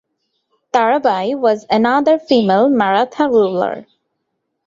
Tarabai was another female Maratha ruler.